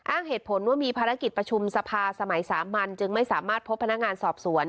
อ้างเหตุผลว่ามีภารกิจประชุมสภาสมัยสามัญจึงไม่สามารถพบพนักงานสอบสวน